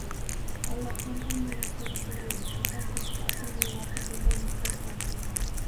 Allohdan hamma narsani so‘raymiz, faqat to‘kis aql ne’mati bundan mustasno.